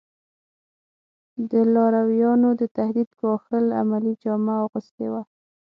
د لارویانو د تهدید ګواښل عملي جامه اغوستې وه.